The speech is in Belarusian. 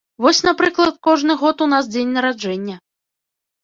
Вось, напрыклад, кожны год у нас дзень нараджэння.